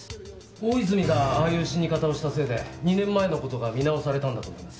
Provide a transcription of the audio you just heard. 大泉がああいう死に方をしたせいで２年前の事が見直されたんだと思います。